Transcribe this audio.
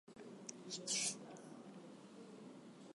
The trees were partially burned and blown over.